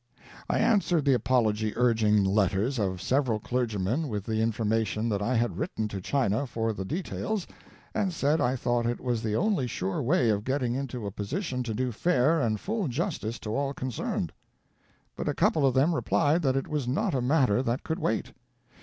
I answered the apology urging letters of several clergymen with the information that I had written to China for the details, and said I thought it was the only sure way of getting into a position to do fair and full justice to all concerned ; but a couple of them replied that it was not a matter that could wait.